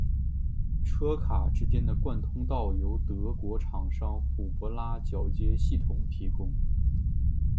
车卡之间的贯通道由德国厂商虎伯拉铰接系统提供。